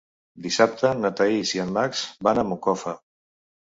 Dissabte na Thaís i en Max van a Moncofa.